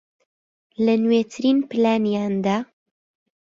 لە نوێترین پلانیاندا